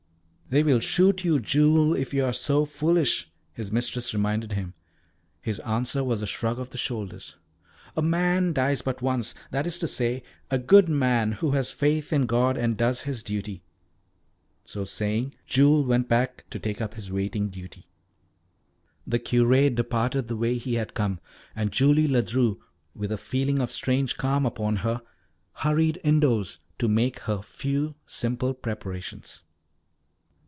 "They will shoot you, Jules, if you are so foolish," his mistress reminded him. His answer was a shrug of the shoulders. "A man dies but once that is to say, a good man, who has faith in God and does his duty." So saying, Jules went back to take up his waiting duty. The Curé departed the way he had come, and Julie Ledru, with a feeling of strange calm upon her, hurried indoors to make her few simple preparations.